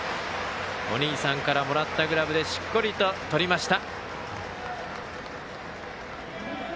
お兄さんからもらったグラブでしっかりと、とりました。